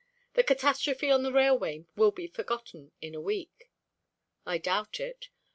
The catastrophe on the railway will be forgotten in a week." "I doubt it.